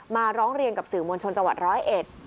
ร้องเรียนกับสื่อมวลชนจังหวัดร้อยเอ็ด